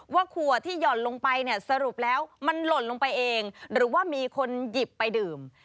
ขวดที่หย่อนลงไปเนี่ยสรุปแล้วมันหล่นลงไปเองหรือว่ามีคนหยิบไปดื่ม